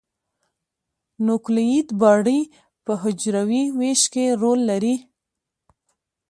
نوکلوئید باډي په حجروي ویش کې رول لري.